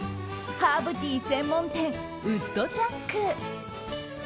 ハーブティー専門店ウッドチャック。